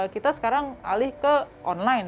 kita sekarang alih ke online